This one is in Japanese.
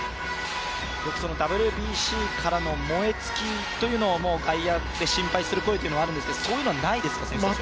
ＷＢＣからの燃え尽きを外野で心配する声があるんですけど、そういうのはないですか、選手たちは。